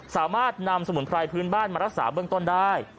สามารถนำสมุนไพรพื้นบ้านมารักษาเบื้องต้นได้